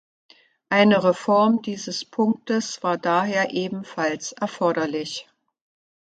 Eine Reform dieses Punktes war daher ebenfalls erforderlich.